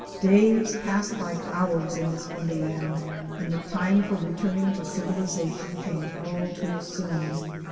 Days passed like hours in this wonderland, and the time for returning to civilization came all too soon.